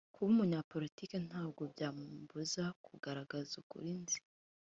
kuba umunyapolitiki ntabwo byambuza kugaragaza ukuri nzi